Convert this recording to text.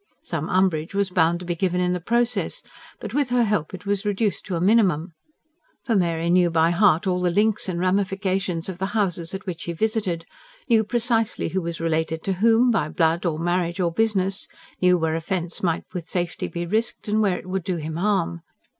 Some umbrage was bound to be given in the process; but with her help it was reduced to a minimum. For Mary knew by heart all the links and ramifications of the houses at which he visited; knew precisely who was related to whom, by blood or marriage or business; knew where offence might with safety be risked, and where it would do him harm.